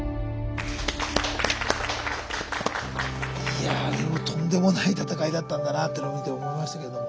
いやでもとんでもない闘いだったんだなってのを見て思いましたけれども。